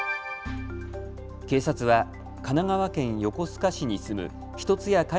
警察は神奈川県横須賀市に住む一ツ谷